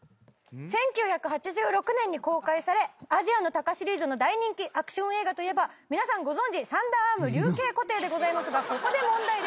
１９８６年に公開されアジアの鷹シリーズの大人気アクション映画といえば皆さんご存じ『サンダーアーム／龍兄虎弟』でございますがここで問題です。